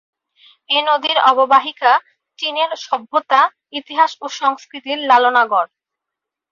এ নদীর অববাহিকা চীনের সভ্যতা, ইতিহাস ও সংস্কৃতির লালনাগর।